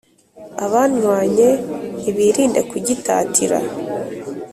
abanywanye nibirinde kugitatira